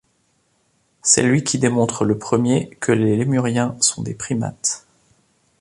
C’est lui qui démontre le premier que les lémuriens sont des primates.